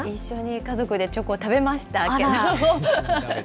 一緒に家族でチョコを食べました。